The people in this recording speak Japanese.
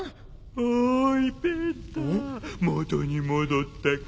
おいペンタ元に戻ったか？